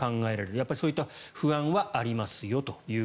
やっぱりそういった不安はありますよと。